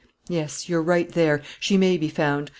"Yes; you're right there. She may be found.